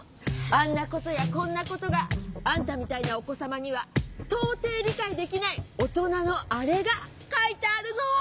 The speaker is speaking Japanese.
あんなことやこんなことが。あんたみたいなお子さまにはとうてい理解できないおとなのあれが書いてあるの！